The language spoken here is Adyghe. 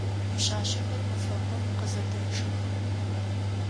Пшъашъэхэр мэфэкум къызэдэчъэх.